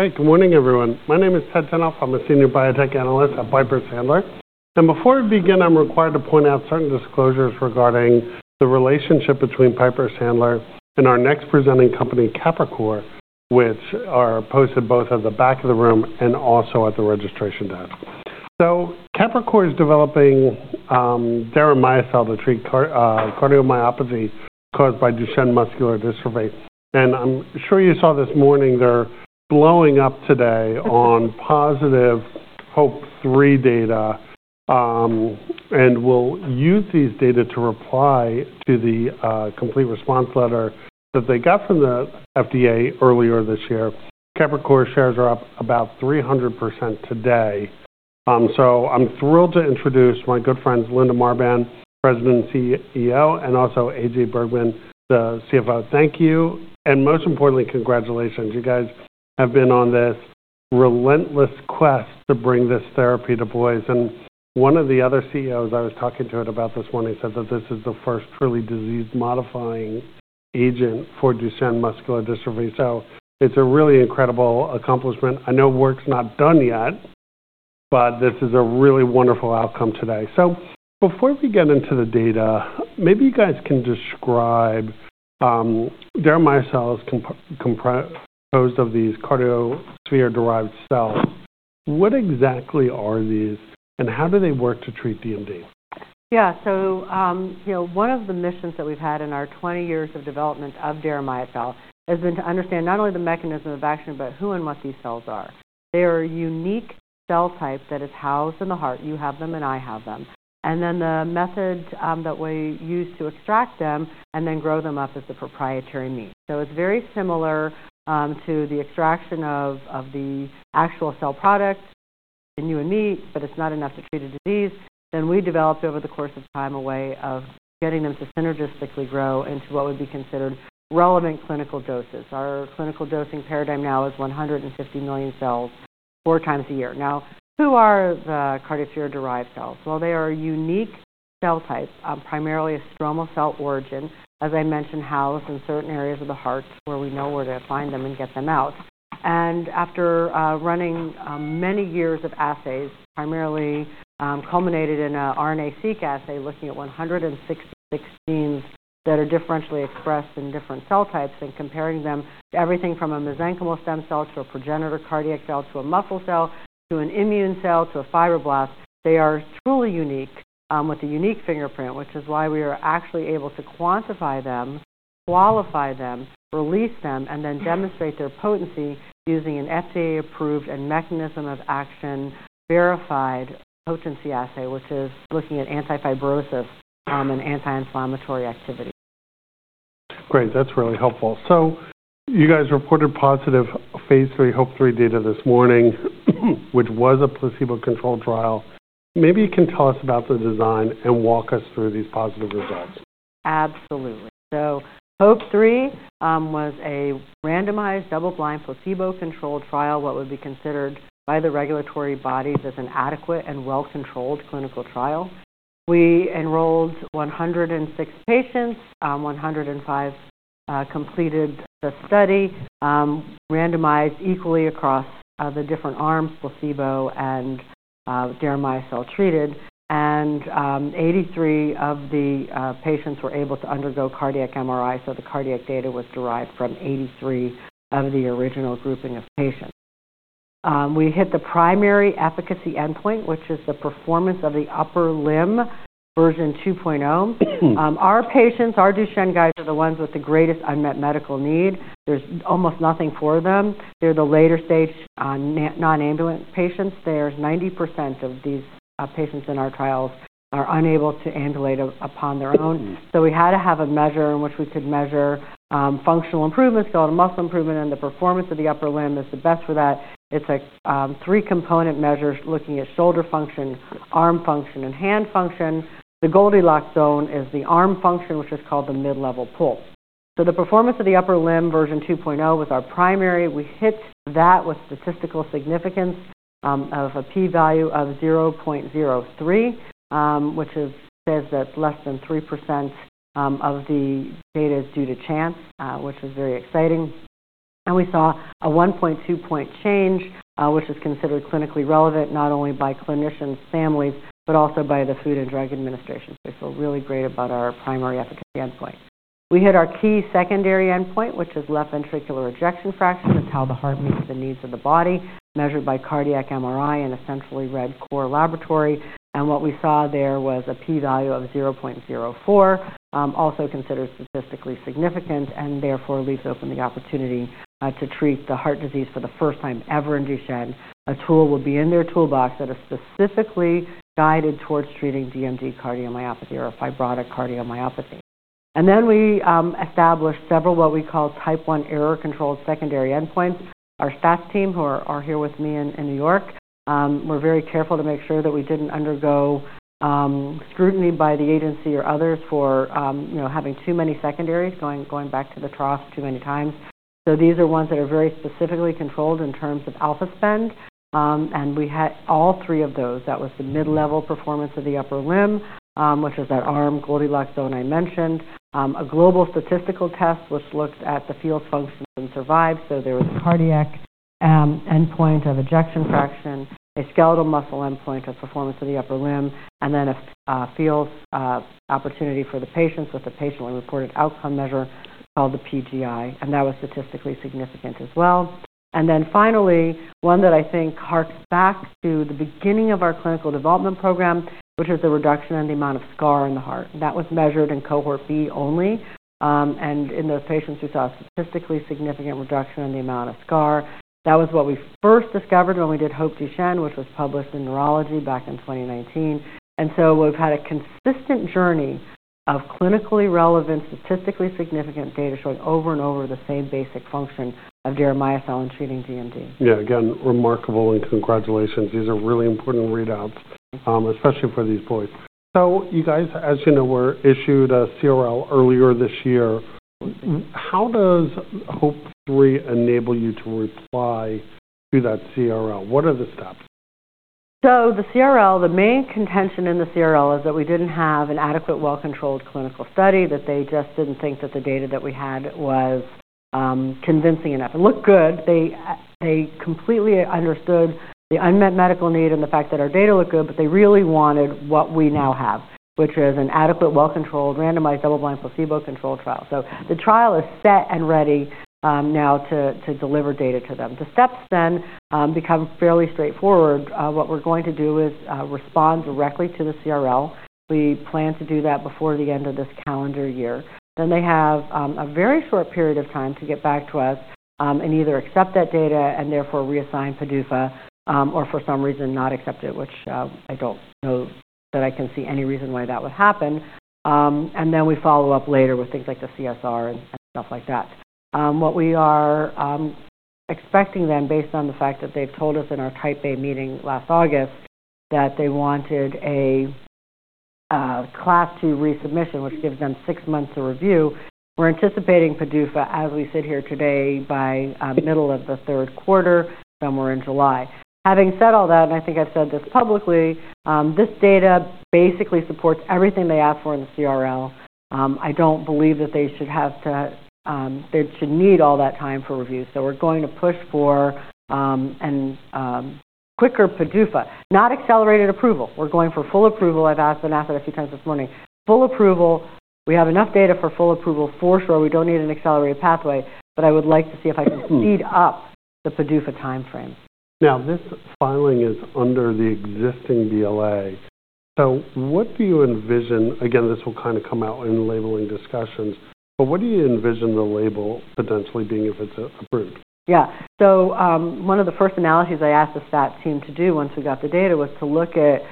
Hi, good morning, everyone. My name is Ted Tenthoff. I'm a senior biotech analyst at Piper Sandler. And before we begin, I'm required to point out certain disclosures regarding the relationship between Piper Sandler and our next presenting company, Capricor, which are posted both at the back of the room and also at the registration desk. So Capricor is developing deramiocel to treat cardiomyopathy Duchenne muscular dystrophy. and i'm sure you saw this morning, they're blowing up today on positive HOPE-3 data. And we'll use these data to reply to the complete response letter that they got from the FDA earlier this year. Capricor shares are up about 300% today. So I'm thrilled to introduce my good friends, Linda Marbán, President and CEO, and also AJ Bergmann, the CFO. Thank you. And most importantly, congratulations. You guys have been on this relentless quest to bring this therapy to boys. And one of the other CEOs I was talking to about this morning said that this is the first truly disease-modifying Duchenne muscular dystrophy. so it's a really incredible accomplishment. I know work's not done yet, but this is a really wonderful outcome today. So before we get into the data, maybe you guys can describe deramiocel, as composed of these cardiosphere-derived cells. What exactly are these, and how do they work to treat DMD? Yeah, so one of the missions that we've had in our 20 years of development of deramiocel has been to understand not only the mechanism of action, but who and what these cells are. They are a unique cell type that is housed in the heart. You have them, and I have them. And then the method that we use to extract them and then grow them up is the proprietary method. So it's very similar to the extraction of the actual cell product in unique, but it's not enough to treat a disease. Then we developed, over the course of time, a way of getting them to synergistically grow into what would be considered relevant clinical doses. Our clinical dosing paradigm now is 150 million cells four times a year. Now, who are the cardiosphere-derived cells? They are a unique cell type, primarily a stromal cell origin, as I mentioned, housed in certain areas of the heart where we know where to find them and get them out. After running many years of assays, primarily culminated in an RNA-seq assay looking at 166 genes that are differentially expressed in different cell types and comparing them to everything from a mesenchymal stem cell to a progenitor cardiac cell to a muscle cell to an immune cell to a fibroblast, they are truly unique with a unique fingerprint, which is why we are actually able to quantify them, qualify them, release them, and then demonstrate their potency using an FDA-approved and mechanism-of-action verified potency assay, which is looking at anti-fibrosis and anti-inflammatory activity. Great. That's really helpful. So you guys reported positive phase III HOPE-3 data this morning, which was a placebo-controlled trial. Maybe you can tell us about the design and walk us through these positive results? Absolutely. So HOPE-3 was a randomized double-blind placebo-controlled trial, what would be considered by the regulatory bodies as an adequate and well-controlled clinical trial. We enrolled 106 patients, 105 completed the study, randomized equally across the different arms, placebo and deramiocel treated. And 83 of the patients were able to undergo cardiac MRI, so the cardiac data was derived from 83 of the original grouping of patients. We hit the primary efficacy endpoint, which is the Performance of the Upper Limb 2.0. Our patients, our Duchenne guys, are the ones with the greatest unmet medical need. There's almost nothing for them. They're the later-stage non-ambulatory patients. There's 90% of these patients in our trials that are unable to ambulate on their own. We had to have a measure in which we could measure functional improvement, skeletal muscle improvement, and the Performance of the Upper Limb is the best for that. It's a three-component measure looking at shoulder function, arm function, and hand function. The Goldilocks zone is the arm function, which is called the mid-level PUL. The Performance of the Upper Limb, version 2.0, was our primary. We hit that with statistical significance of a p-value of 0.03, which says that less than 3% of the data is due to chance, which is very exciting. We saw a 1.2-point change, which is considered clinically relevant not only by clinicians, families, but also by the Food and Drug Administration. We feel really great about our primary efficacy endpoint. We hit our key secondary endpoint, which is left ventricular ejection fraction. It's how the heart meets the needs of the body, measured by cardiac MRI in a centrally read core laboratory, and what we saw there was a p-value of 0.04, also considered statistically significant, and therefore leaves open the opportunity to treat the heart disease for the first time ever in Duchenne. A tool will be in their toolbox that is specifically guided towards treating DMD cardiomyopathy or fibrotic cardiomyopathy, and then we established several what we call Type I error-controlled secondary endpoints. Our stat team, who are here with me in New York, were very careful to make sure that we didn't undergo scrutiny by the agency or others for having too many secondaries, going back to the well too many times, so these are ones that are very specifically controlled in terms of alpha spend, and we had all three of those. That was the mid-level Performance of the Upper Limb, which was that arm Goldilocks zone I mentioned, a global statistical test which looked at the full function and survived, so there was a cardiac endpoint of ejection fraction, a skeletal muscle endpoint of Performance of the Upper Limb, and then a real opportunity for the patients with a patient-reported outcome measure called the PGI, and that was statistically significant as well, and then finally, one that I think harks back to the beginning of our clinical development program, which is the reduction in the amount of scar in the heart. That was measured in Cohort B only, and in those patients who saw a statistically significant reduction in the amount of scar, that was what we first discovered when we did HOPE-Duchenne, which was published in Neurology back in 2019. And so we've had a consistent journey of clinically relevant, statistically significant data showing over and over the same basic function of deramiocel in treating DMD. Yeah, again, remarkable, and congratulations. These are really important readouts, especially for these boys. So you guys, as you know, were issued a CRL earlier this year. How does HOPE-3 enable you to reply to that CRL? What are the steps? So the CRL, the main contention in the CRL is that we didn't have an adequate, well-controlled clinical study, that they just didn't think that the data that we had was convincing enough. It looked good. They completely understood the unmet medical need and the fact that our data looked good, but they really wanted what we now have, which is an adequate, well-controlled, randomized double-blind placebo-controlled trial. So the trial is set and ready now to deliver data to them. The steps then become fairly straightforward. What we're going to do is respond directly to the CRL. We plan to do that before the end of this calendar year. They have a very short period of time to get back to us and either accept that data and therefore reassign PDUFA or, for some reason, not accept it, which I don't know that I can see any reason why that would happen. And then we follow up later with things like the CSR and stuff like that. What we are expecting then, based on the fact that they've told us in our Type A meeting last August that they wanted a Class 2 resubmission, which gives them six months to review, we're anticipating PDUFA, as we sit here today, by middle of the third quarter, somewhere in July. Having said all that, and I think I've said this publicly, this data basically supports everything they ask for in the CRL. I don't believe that they should have to, they should need all that time for review. So we're going to push for a quicker PDUFA, not accelerated approval. We're going for full approval. I've asked and asked it a few times this morning. Full approval. We have enough data for full approval for sure. We don't need an accelerated pathway, but I would like to see if I can speed up the PDUFA timeframe. Now, this filing is under the existing BLA. So what do you envision? Again, this will kind of come out in the labeling discussions, but what do you envision the label potentially being if it's approved? Yeah. So one of the first analyses I asked the staff team to do once we got the data was to look at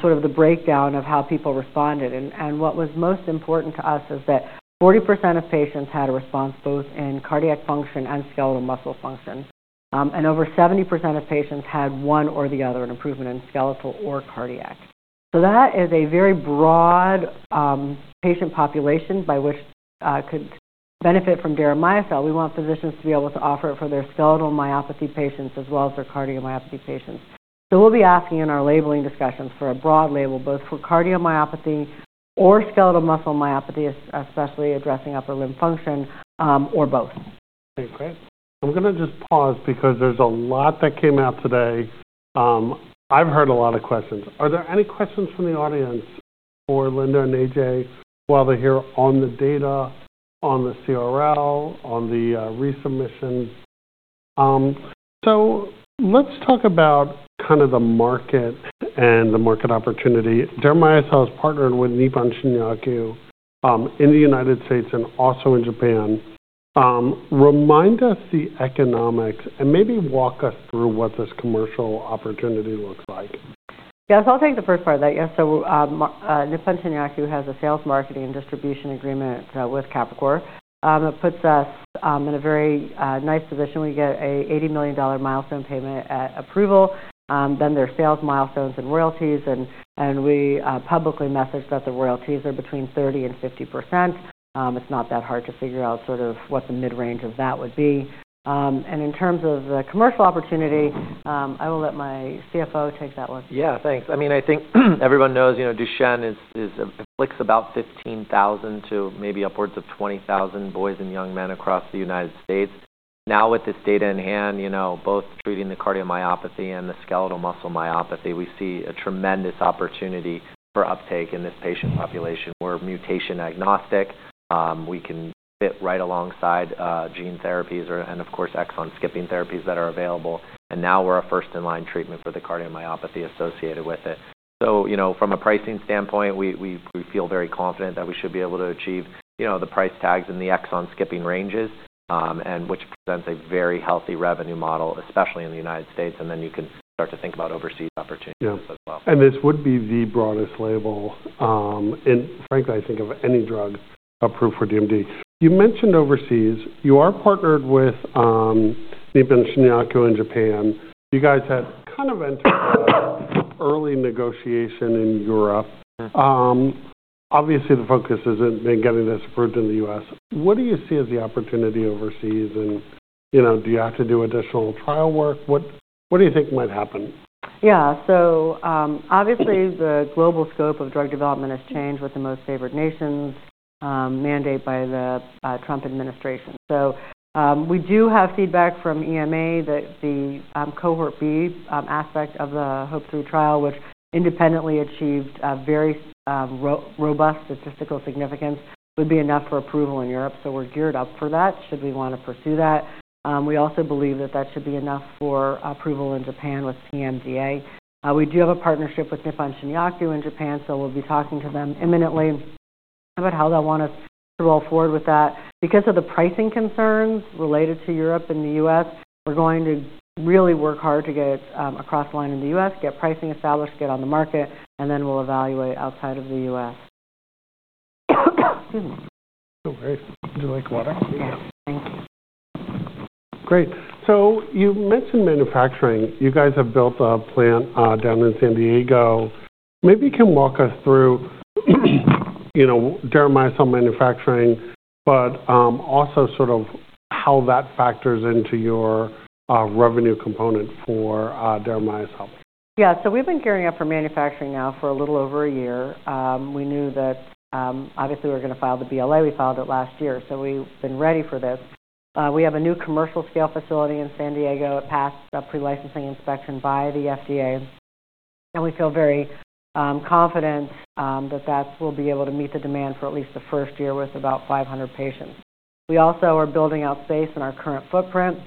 sort of the breakdown of how people responded. And what was most important to us is that 40% of patients had a response both in cardiac function and skeletal muscle function. And over 70% of patients had one or the other, an improvement in skeletal or cardiac. So that is a very broad patient population by which could benefit from deramiocel. We want physicians to be able to offer it for their skeletal myopathy patients as well as their cardiomyopathy patients. So we'll be asking in our labeling discussions for a broad label, both for cardiomyopathy or skeletal muscle myopathy, especially addressing upper limb function or both. Okay, great. I'm going to just pause because there's a lot that came out today. I've heard a lot of questions. Are there any questions from the audience for Linda and A.J. while they're here on the data, on the CRL, on the resubmission? So let's talk about kind of the market and the market opportunity. deramiocel is partnered with Nippon Shinyaku in the United States and also in Japan. Remind us the economics and maybe walk us through what this commercial opportunity looks like. Yes, I'll take the first part of that. Yes. So Nippon Shinyaku has a sales marketing and distribution agreement with Capricor. It puts us in a very nice position. We get an $80 million milestone payment at approval. Then there are sales milestones and royalties, and we publicly message that the royalties are between 30%-50%. It's not that hard to figure out sort of what the mid-range of that would be, and in terms of the commercial opportunity, I will let my CFO take that one. Yeah, thanks. I mean, I think everyone knows Duchenne is; it affects about 15,000 to maybe upwards of 20,000 boys and young men across the United States. Now, with this data in hand, both treating the cardiomyopathy and the skeletal muscle myopathy, we see a tremendous opportunity for uptake in this patient population. We're mutation agnostic. We can fit right alongside gene therapies and, of exon-skipping therapies that are available. And now we're a first-line treatment for the cardiomyopathy associated with it. So from a pricing standpoint, we feel very confident that we should be able to achieve the price tags in exon-skipping ranges, which presents a very healthy revenue model, especially in the United States. And then you can start to think about overseas opportunities as well. And this would be the broadest label. And frankly, I think of any drug approved for DMD. You mentioned overseas. You are partnered with Nippon Shinyaku in Japan. You guys had kind of entered early negotiation in Europe. Obviously, the focus hasn't been getting this approved in the U.S. What do you see as the opportunity overseas? And do you have to do additional trial work? What do you think might happen? Yeah. So obviously, the global scope of drug development has changed with the Most Favored Nations mandate by the Trump administration. So we do have feedback from EMA that the Cohort B aspect of the HOPE-3 trial, which independently achieved very robust statistical significance, would be enough for approval in Europe. So we're geared up for that should we want to pursue that. We also believe that that should be enough for approval in Japan with PMDA. We do have a partnership with Nippon Shinyaku in Japan, so we'll be talking to them imminently about how they'll want us to roll forward with that. Because of the pricing concerns related to Europe and the U.S., we're going to really work hard to get across the line in the U.S., get pricing established, get on the market, and then we'll evaluate outside of the U.S. Oh, great. Would you like water? Yeah. Thank you. Great. So you mentioned manufacturing. You guys have built a plant down in San Diego. Maybe you can walk us through deramiocel manufacturing, but also sort of how that factors into your revenue component for deramiocel. Yeah. So we've been gearing up for manufacturing now for a little over a year. We knew that obviously we were going to file the BLA. We filed it last year, so we've been ready for this. We have a new commercial scale facility in San Diego. It passed a pre-licensing inspection by the FDA, and we feel very confident that that will be able to meet the demand for at least the first year with about 500 patients. We also are building out space in our current footprint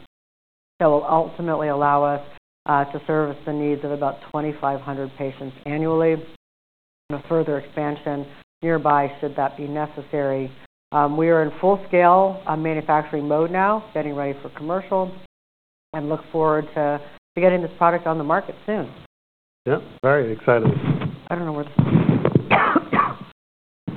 that will ultimately allow us to service the needs of about 2,500 patients annually and a further expansion nearby should that be necessary. We are in full-scale manufacturing mode now, getting ready for commercial, and look forward to getting this product on the market soon. Yeah. Very exciting. I don't know where this is going.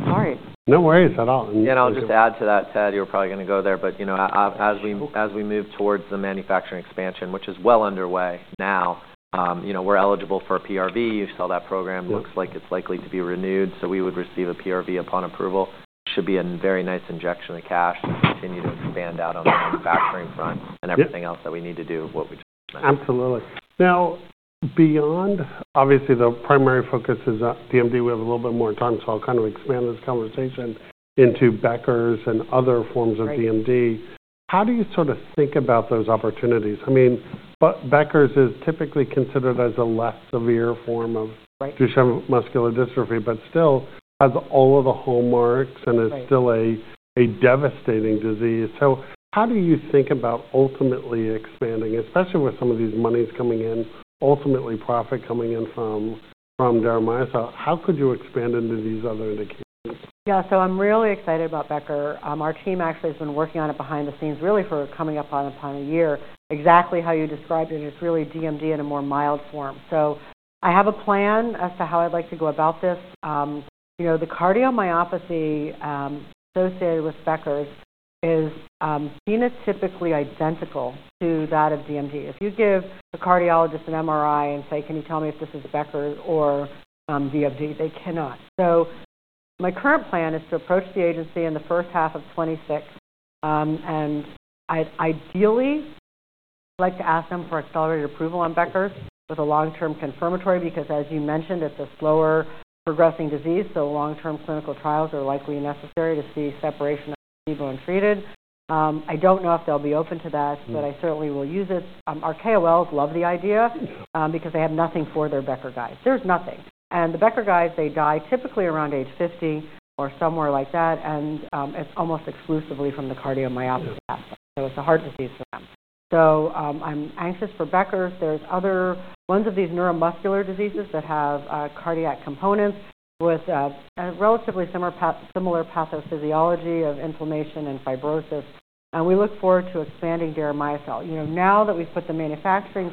Sorry. No worries at all. Yeah, and I'll just add to that, Ted. You were probably going to go there. But as we move towards the manufacturing expansion, which is well underway now, we're eligible for a PRV. You've said that program looks like it's likely to be renewed. So we would receive a PRV upon approval. It should be a very nice injection of cash to continue to expand out on the manufacturing front and everything else that we need to do what we just mentioned. Absolutely. Now, beyond, obviously, the primary focus is DMD. We have a little bit more time, so I'll kind of expand this conversation into Becker's and other forms of DMD. How do you sort of think about those opportunities? I mean, Becker's is typically considered as a less severe Duchenne muscular dystrophy, but still has all of the hallmarks and is still a devastating disease. So how do you think about ultimately expanding, especially with some of these monies coming in, ultimately profit coming in from deramiocel? How could you expand into these other indications? Yeah. So I'm really excited about Becker. Our team actually has been working on it behind the scenes, really for coming up on a year, exactly how you described it. It's really DMD in a more mild form. So I have a plan as to how I'd like to go about this. The cardiomyopathy associated with Becker's is genotypically identical to that of DMD. If you give a cardiologist an MRI and say, "Can you tell me if this is Becker's or DMD?" they cannot. So my current plan is to approach the agency in the first half of 2026. And ideally, I'd like to ask them for accelerated approval on Becker's with a long-term confirmatory because, as you mentioned, it's a slower progressing disease. So long-term clinical trials are likely necessary to see separation of placebo and treated. I don't know if they'll be open to that, but I certainly will use it. Our KOLs love the idea because they have nothing for their Becker guys. There's nothing. And the Becker guys, they die typically around age 50 or somewhere like that. And it's almost exclusively from the cardiomyopathy aspect. So it's a heart disease for them. So I'm anxious for Becker's. There's other ones of these neuromuscular diseases that have cardiac components with a relatively similar pathophysiology of inflammation and fibrosis. And we look forward to expanding deramiocel. Now that we've put the manufacturing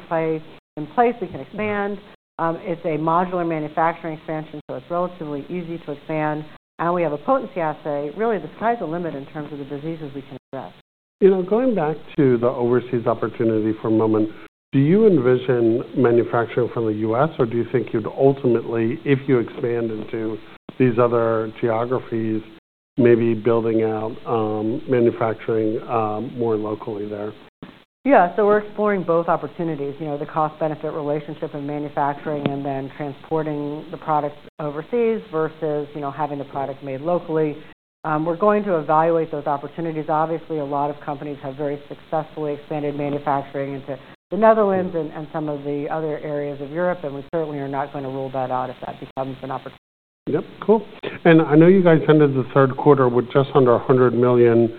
in place, we can expand. It's a modular manufacturing expansion, so it's relatively easy to expand. And we have a potency assay. Really, the sky's the limit in terms of the diseases we can address. Going back to the overseas opportunity for a moment, do you envision manufacturing from the U.S., or do you think you'd ultimately, if you expand into these other geographies, maybe building out manufacturing more locally there? Yeah, so we're exploring both opportunities, the cost-benefit relationship of manufacturing and then transporting the product overseas versus having the product made locally. We're going to evaluate those opportunities. Obviously, a lot of companies have very successfully expanded manufacturing into the Netherlands and some of the other areas of Europe. And we certainly are not going to rule that out if that becomes an opportunity. Yep. Cool. And I know you guys ended the third quarter with just under $100 million.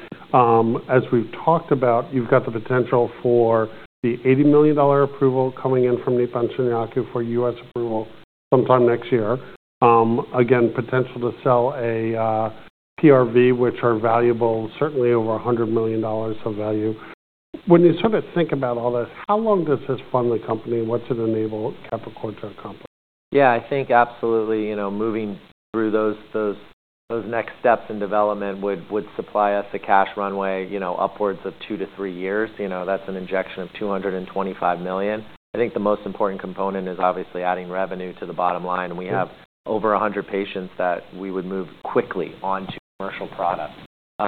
As we've talked about, you've got the potential for the $80 million approval coming in from Nippon Shinyaku for U.S. approval sometime next year. Again, potential to sell a PRV, which are valuable, certainly over $100 million of value. When you sort of think about all this, how long does this fund the company? What's it enable Capricor to accomplish? Yeah, I think absolutely moving through those next steps in development would supply us a cash runway upwards of two-three years. That's an injection of $225 million. I think the most important component is obviously adding revenue to the bottom line. We have over 100 patients that we would move quickly onto commercial products,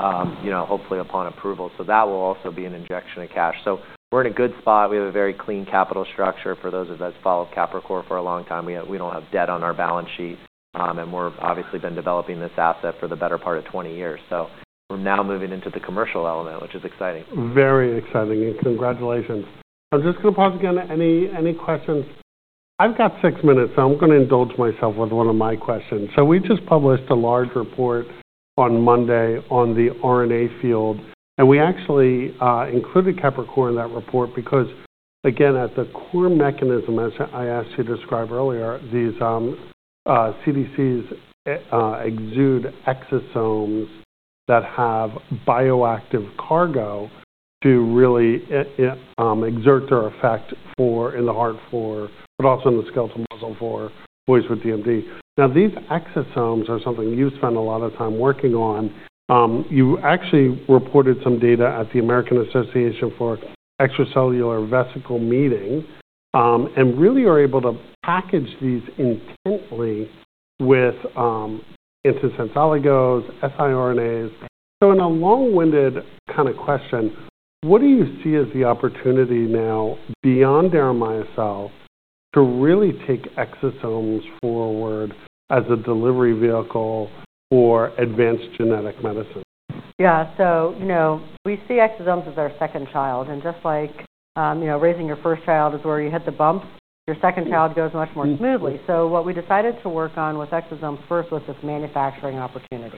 hopefully upon approval. So that will also be an injection of cash. So we're in a good spot. We have a very clean capital structure for those of us who followed Capricor for a long time. We don't have debt on our balance sheet. And we've obviously been developing this asset for the better part of 20 years. So we're now moving into the commercial element, which is exciting. Very exciting. And congratulations. I'm just going to pause again. Any questions? I've got six minutes, so I'm going to indulge myself with one of my questions. So we just published a large report on Monday on the RNA field. And we actually included Capricor in that report because, again, at the core mechanism, as I asked you to describe earlier, these CDCs exude exosomes that have bioactive cargo to really exert their effect in the heart, but also in the skeletal muscle for boys with DMD. Now, these exosomes are something you spend a lot of time working on. You actually reported some data at the American Association for Extracellular Vesicles meeting and really are able to package these into cells with integrin silencing siRNAs. In a long-winded kind of question, what do you see as the opportunity now beyond deramiocel to really take exosomes forward as a delivery vehicle for advanced genetic medicine? Yeah. So we see exosomes as our second child. And just like raising your first child is where you hit the bump, your second child goes much more smoothly. So what we decided to work on with exosomes first was this manufacturing opportunity.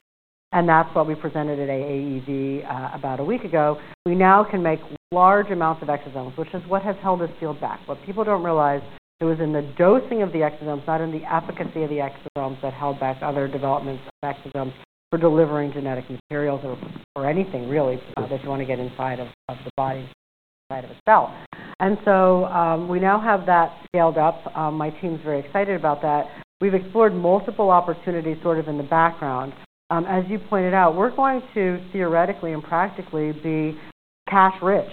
And that's what we presented at AAEV about a week ago. We now can make large amounts of exosomes, which is what has held this field back. What people don't realize is it was in the dosing of the exosomes, not in the efficacy of the exosomes, that held back other developments of exosomes for delivering genetic materials or anything really that you want to get inside of the body or inside of a cell. And so we now have that scaled up. My team's very excited about that. We've explored multiple opportunities sort of in the background. As you pointed out, we're going to theoretically and practically be cash rich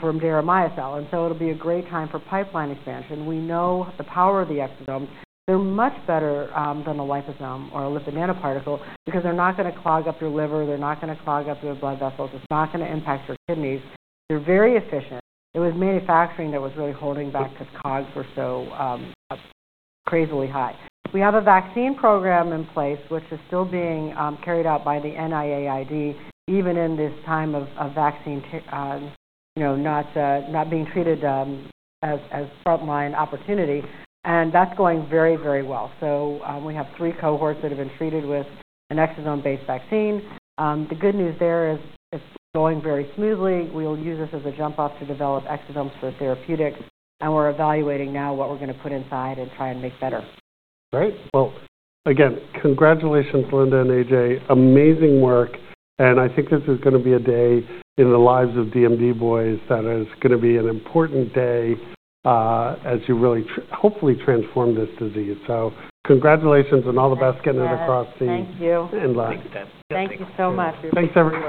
from deramiocel, and so it'll be a great time for pipeline expansion. We know the power of the exosomes. They're much better than liposome or a lipid nanoparticle because they're not going to clog up your liver. They're not going to clog up your blood vessels. It's not going to impact your kidneys. They're very efficient. It was manufacturing that was really holding back because COGS were so crazily high. We have a vaccine program in place, which is still being carried out by the NIAID, even in this time of vaccine not being treated as frontline opportunity, and that's going very, very well, so we have three cohorts that have been treated with exosome-based vaccine. the good news there is it's going very smoothly. We'll use this as a jump-off to develop exosomes for therapeutics, and we're evaluating now what we're going to put inside and try and make better. Great. Well, again, congratulations, Linda and AJ. Amazing work. And I think this is going to be a day in the lives of DMD boys that is going to be an important day as you really hopefully transform this disease. So congratulations and all the best getting it across the. Thank you. And life. Thank you so much. Thanks everyone.